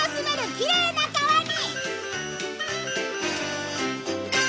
きれいな川に！